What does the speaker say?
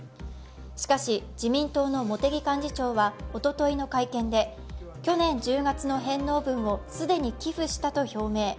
しかし、自民党の茂木幹事長はおとといの会見で去年１０月の返納分を既に寄付したと表明。